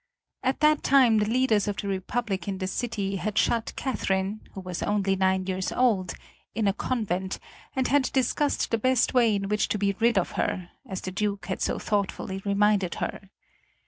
At that time the leaders of the republic in the city had shut Catherine, who was only nine years old, in a convent, and had discussed the best way in which to be rid of her, as the Duke had so thoughtfully reminded her.